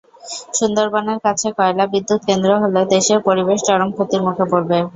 সুন্দরবনের কাছে কয়লাবিদ্যুৎ কেন্দ্র হলে দেশের পরিবেশ চরম ক্ষতির মুখে পড়বে।